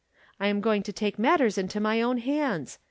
I am going to take matters into my own hands.